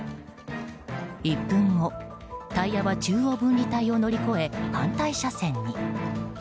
１分後、タイヤは中央分離帯を乗り越え反対車線に。